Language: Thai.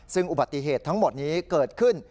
ซึ่งอุบัติเหตุทั้งหมดนี้เกิดขึ้น